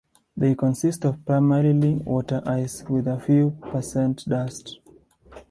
They consist of primarily water-ice with a few percent dust.